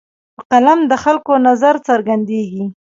په قلم د خلکو نظر څرګندېږي.